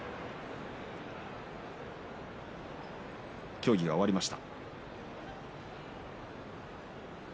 協議が終わりました。